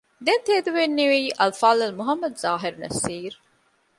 ދެން ތެދުވެންނެވީ އަލްފާޟިލް މުޙައްމަދު ޒާހިރު ނަޞީރު